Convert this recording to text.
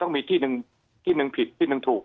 ต้องมีที่หนึ่งผิดที่หนึ่งถูก